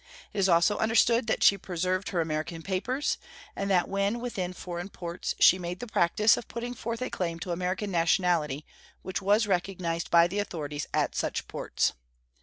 It is also understood that she preserved her American papers, and that when within foreign ports she made the practice of putting forth a claim to American nationality, which was recognized by the authorities at such ports.